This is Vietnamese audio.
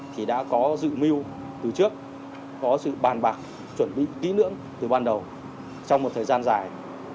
thì đã có dự mưu từ trước có sự bàn bạc chuẩn bị kỹ lưỡng từ ban đầu trong một thời gian dài